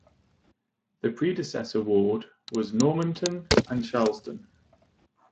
The predecessor ward was Normanton and Sharlston.